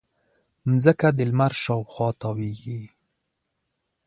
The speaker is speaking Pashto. مځکه د لمر شاوخوا تاوېږي.